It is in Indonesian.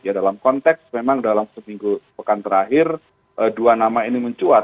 ya dalam konteks memang dalam seminggu pekan terakhir dua nama ini mencuat